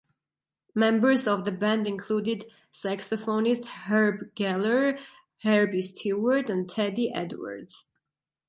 Members of the band included saxophonists Herb Geller, Herbie Steward, and Teddy Edwards.